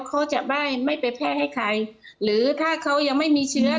เขาจะไม่ไม่ไปแพร่ให้ใครหรือถ้าเขายังไม่มีเชื้อ